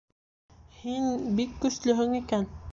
Һин бик көслөһөң икән.